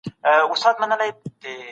کتابونه لرم